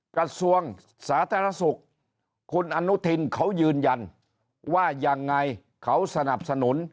กระทรวงสาธารณสุขคุณอนุทินเขายืนยันว่ายังไงเขาสนับสนุน